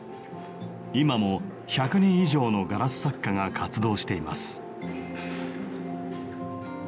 今も１００人以上のガラス作家が活動しています。